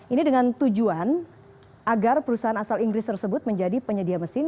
ini dengan tujuan agar perusahaan asal inggris tersebut menjadi penyedia mesin